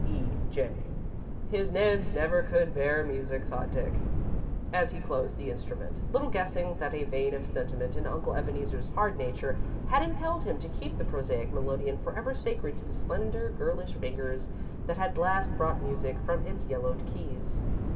E. J." "His Nibs never could bear music," thought Dick, as he closed the instrument, little guessing that a vein of sentiment in Uncle Ebeneezer's hard nature had impelled him to keep the prosaic melodeon forever sacred to the slender, girlish fingers that had last brought music from its yellowed keys.